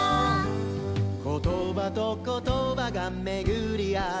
「ことばとことばがめぐりあって」